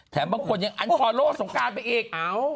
แถมบางคนยังอันคอโลสงการไปเอง